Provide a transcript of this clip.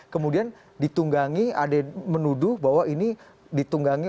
kemudian ditunggangi ada yang menuduh bahwa ini ditunggangi